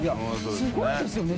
すごいですよね。